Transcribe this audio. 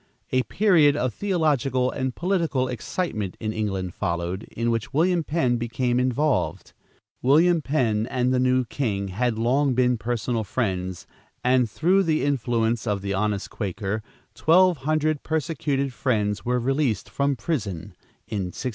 A period of theological and political excitement in England followed, in which William Penn became involved. William Penn and the new king had long been personal friends, and through the influence of the honest Quaker, twelve hundred persecuted Friends were released from prison, in 1686.